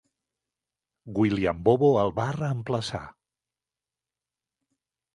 William Bobo el va reemplaçar.